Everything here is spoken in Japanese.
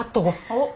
おっ。